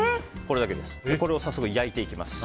これを早速焼いていきます。